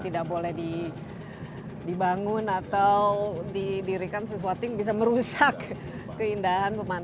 iya kalau bisa justru di kawasan ini karena ini kan merupakan kawasan yang terkenal di indonesia ya